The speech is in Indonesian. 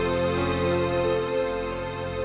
mohon sebut sesuatanya